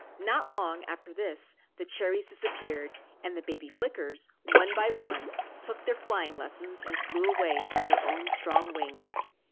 Not long after this the cherries disappeared, and the baby Flickers, one by one, took their flying lessons and flew away on their own strong wings.